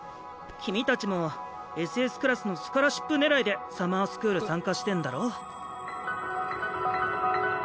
君たちもＳＳクラスのスカラシップ狙いでサマースクール参加してんだろ？